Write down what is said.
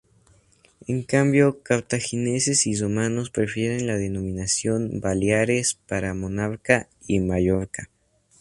En cambio, cartagineses y romanos prefirieron la denominación "Baleares" para Menorca y Mallorca.